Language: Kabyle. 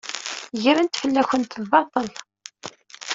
Gren-d fell-awent lbaṭel.